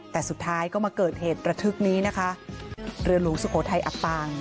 แต่สุดท้ายก็มาเกิดเหตุระทึกนี้นะคะ